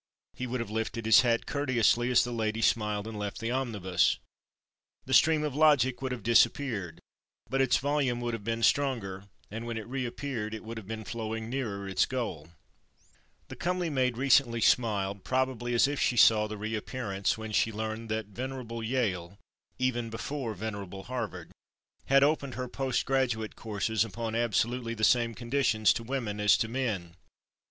He would have lifted his hat courteously as the lady smiled and left the omnibus. The stream of logic would have disappeared. But its volume would have been stronger, and when it reappeared, it would have been flowing nearer its goal. The comely maid recently smiled, probably as if she saw the reappearance, when she learned that venerable Yale, even before venerable Harvard, had opened her post graduate courses upon absolutely the same conditions to women as to men.